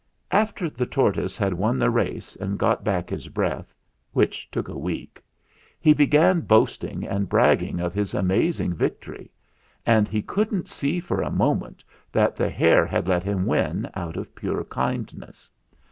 "After the tortoise had won the race and got back his breath, which took a week, he began boasting and bragging of his amazing victory, and he couldn't see for a moment that the hare had let him win out of pure kindness.